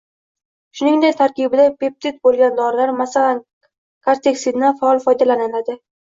Shuningdek tarkibida peptid bo‘lgan dorilar, masalan, korteksindan faol foydalaniladi.